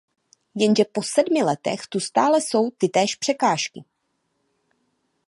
Jenže po sedmi letech tu stále jsou tytéž překážky.